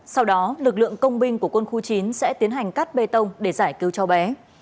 sau đó lực lượng công binh của quân khu chín sẽ tiến hành cắt bê tông để giải cứu cháu bé